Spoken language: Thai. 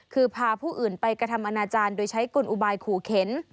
คือพาผู้อื่นไปกระทำอนาจารย์โดยใช้กลอุบายขู่เข็น